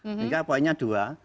sehingga poinnya dua